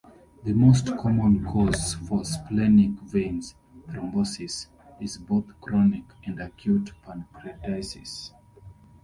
The most common cause for splenic vein thrombosis is both chronic and acute pancreatitis.